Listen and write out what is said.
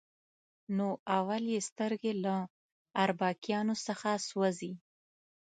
نو اول یې سترګې له اربکیانو څخه سوځي.